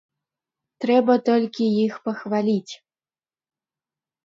Трэба толькі іх пахваліць.